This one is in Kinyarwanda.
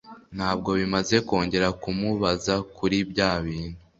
Ntabwo bimaze kongera kumubaza kuri by'abintu .